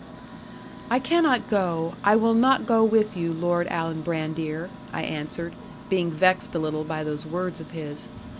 '"I cannot go, I will not go with you, Lord Alan Brandir," I answered, being vexed a little by those words of his.